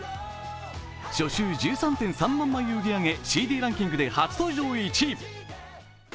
初週１３．３万枚を売り上げ、ＣＤランキング初登場１位を獲得。